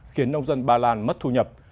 khiến nông dân ba lan mất thu nhập